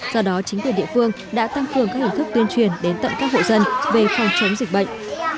do đó chính quyền địa phương đã tăng cường các hình thức tuyên truyền đến tận các hộ dân về phòng chống dịch bệnh